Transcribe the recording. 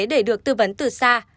để được tư vấn từ xa